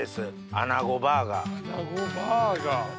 アナゴバーガー。